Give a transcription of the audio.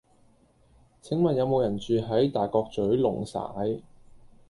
請問有無人住喺大角嘴瓏璽